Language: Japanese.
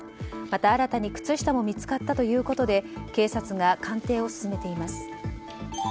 また新たに靴下も見つかったということで警察が鑑定を進めています。